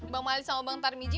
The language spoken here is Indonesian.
bang ali sama bang tarmiji